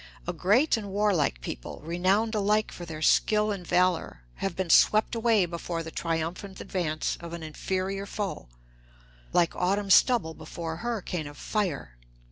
A great and warlike people, renowned alike for their skill and valor, have been swept away before the triumphant advance of an inferior foe, like autumn stubble before a hurricane of fire.